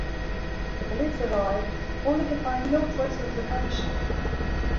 The police arrive, only to find no trace of the Punisher.